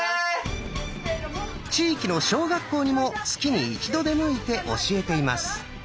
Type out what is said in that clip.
地域の小学校にも月に一度出向いて教えています。